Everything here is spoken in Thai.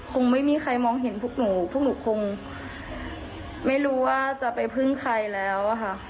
คงไม่มีใครมองเห็นพวกหนูพวกหนูคงไม่รู้ว่าจะไปพึ่งใครแล้วอะค่ะ